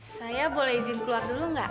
saya boleh izin keluar dulu nggak